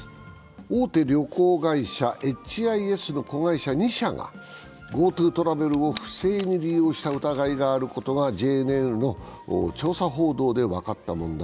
大手旅行会社エイチ・アイ・エスの子会社２社がＧｏＴｏトラベルを不正に利用した疑いがあることがＪＮＮの調査報道で分かった問題。